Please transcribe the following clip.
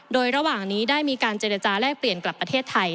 โดยระหว่างนี้ได้มีการเจรจาแลกเปลี่ยนกลับประเทศไทย